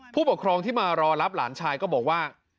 ผู้ปกครองที่มารอรับหลานชายก็บอกว่า